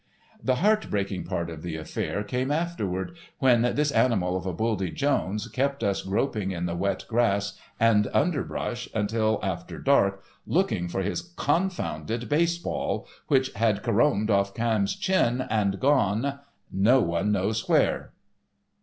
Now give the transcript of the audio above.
The heart breaking part of the affair came afterward, when "This Animal of a Buldy Jones" kept us groping in the wet grass and underbrush until after dark looking for his confounded baseball, which had caromed off Camme's chin, and gone—no one knows where.